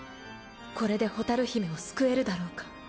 これで蛍姫を救えるだろうか？